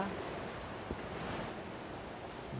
karena itu tidak bisa diangkat ke sana